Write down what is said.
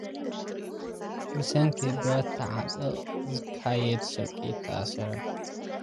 ብሰንኪ ብረት ተዓጢቑ ዘካየዶ ስርቂ ተኣሲሩ።